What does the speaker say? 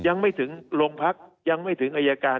ยังไม่ถึงโรงพักยังไม่ถึงอายการ